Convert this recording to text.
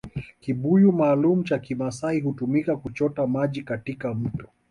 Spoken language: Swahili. Kibuyu maalumu cha Kimaasai hutumika kuchota maji katika mto